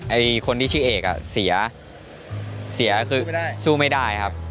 ไอ้คนที่ชื่อเอกอ่ะเสียเสียคือสู้ไม่ได้ครับ